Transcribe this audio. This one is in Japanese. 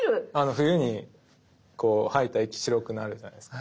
冬にこう吐いた息白くなるじゃないですか。